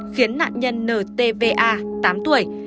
khiến nạn nhân ntva tám tuổi